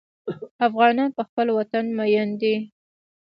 افغانان په خپل وطن مین دي.